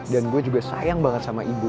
dan gue juga sayang banget sama ibu